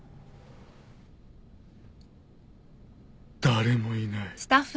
誰もいない。